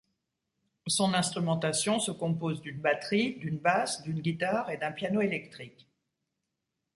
Son instrumentation se compose d'une batterie, d'une basse, d'une guitare et d'un piano électrique.